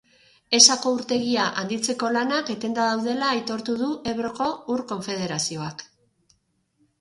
Esako urtegia handitzeko lanak etenda daudela aitortu du Ebroko Ur Konfederazioak.